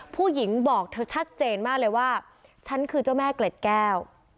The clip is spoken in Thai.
ผู้หญิงบอกเธอชัดเจนมากเลยว่าฉันคือเจ้าแม่เกล็ดแก้ว